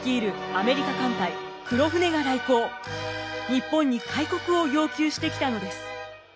日本に開国を要求してきたのです。